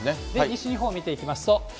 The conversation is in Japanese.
西日本を見ていきますと。